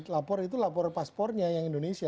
lapor itu lapor paspornya yang indonesia